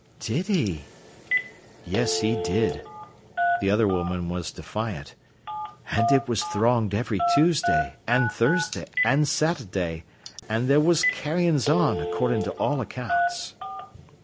"Did he?" "Yes, he did." The other woman was defiant. "An' it was thronged every Tuesday, and Thursday, an' Sat'day—an' there was carryin's on, accordin' to all accounts."